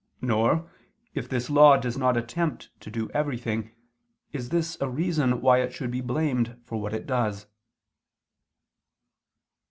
Nor, if this law does not attempt to do everything, is this a reason why it should be blamed for what it does."